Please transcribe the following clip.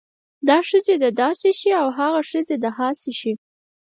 دا ښځې د داسې شی او هاغه ښځې د هاسې شی